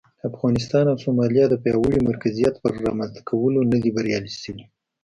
افغانستان او سومالیا د پیاوړي مرکزیت پر رامنځته کولو نه دي بریالي شوي.